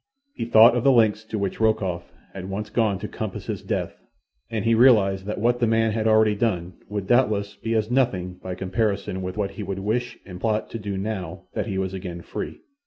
He thought of the lengths to which Rokoff had once gone to compass his death, and he realized that what the man had already done would doubtless be as nothing by comparison with what he would wish and plot to do now that he was again free.